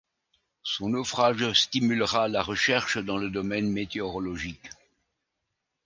Son naufrage stimulera la recherche dans le domaine météorologique.